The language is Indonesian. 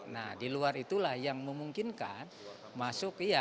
nah di luar itulah yang memungkinkan masuk ya